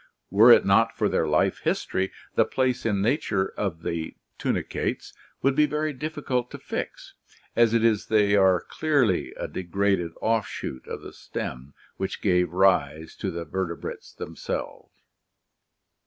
Were it not for their life history, the place in nature of THE LIFE CYCLE 207 the tunicate? would be very difficult to fix; as it is they are clearly a degraded offshoot of the stem which gave rise to the vertebrates themselves.